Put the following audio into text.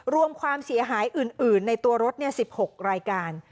ความเสียหายอื่นในตัวรถ๑๖รายการ